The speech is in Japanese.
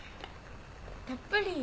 たっぷりー。